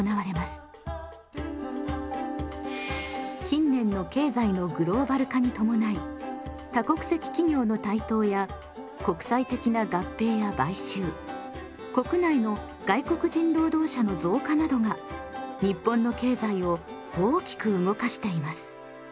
近年の経済のグローバル化に伴い多国籍企業の台頭や国際的な合併や買収国内の外国人労働者の増加などが日本の経済を大きく動かしています。